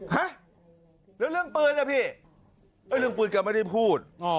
ฮะแล้วเรื่องปืนอ่ะพี่เรื่องปืนแกไม่ได้พูด